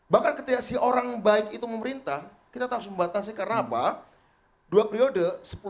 bahkan ketika si orang baik itu memberikan warisan legasi apapun yang berharga bagi kebangsaan ke depan demokrasi ke depan